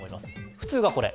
普通はこれ。